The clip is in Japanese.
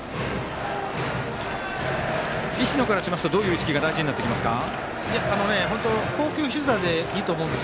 石野からしますとどういう意識が大事になってきますか。